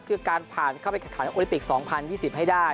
คือการผ่านเข้าไปแข่งขันโอลิปิก๒๐๒๐ให้ได้